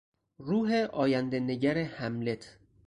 روح آیندهنگر هملت